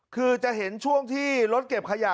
คือจะเห็นช่วงที่รถเก็บขยะ